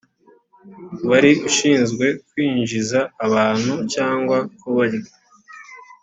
wari ushinzwe kwinjiza abantu cyangwa kubarya